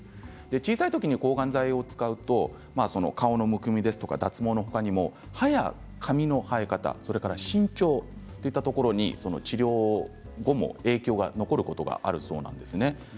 小さい時に抗がん剤を使うと顔のむくみや脱毛の他に歯や髪の生え方身長といったところに治療後も影響が残ることがあるそうです。